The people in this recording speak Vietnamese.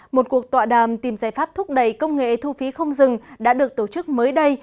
một cuộc tọa đàm tìm giải pháp thúc đẩy công nghệ thu phí không dừng đã được tổ chức mới đây